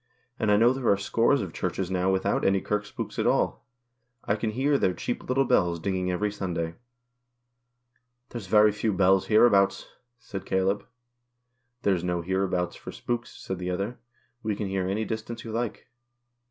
And I know there are scores of Churches now without any kirk spooks at all. I can hear their cheap little bells dinging every Sunday." " There's very few bells hereabouts," said Caleb. " There's no hereabouts for spooks," said the other. " We can hear any distance you like."